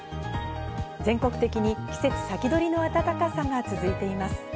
全国的に季節先取りの暖かさが続いています。